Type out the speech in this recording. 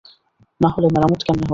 নাহলে, মেরামত কেমনে হবে?